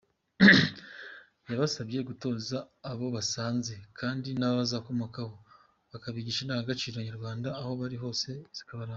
Yabasabye gutoza abo basanze kandi n’abazabakomokaho bakabigisha indangacairo nyarwanda, aho bari hose zikabaranga.